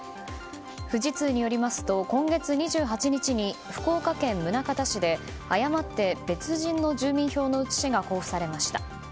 富士通によりますと今月２８日に福岡県宗像市で誤って別人の住民票の写しが交付されました。